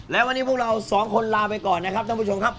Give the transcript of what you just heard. และวันนี้พวกเราสองคนลาไปก่อนนะครับท่านผู้ชมครับ